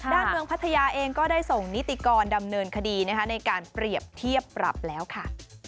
เมืองพัทยาเองก็ได้ส่งนิติกรดำเนินคดีในการเปรียบเทียบปรับแล้วค่ะ